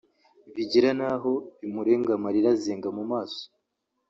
bigera n’aho bimurenga amarira azenga mu maso